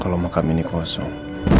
kalau makam ini kosong